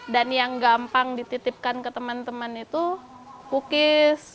dan yang gampang dititipkan ke teman teman itu kukis